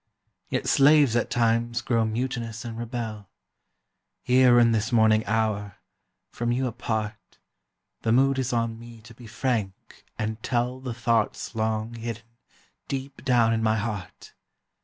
Yet slaves, at times, grow mutinous and rebel. Here in this morning hour, from you apart, The mood is on me to be frank and tell The thoughts long hidden deep down in my heart.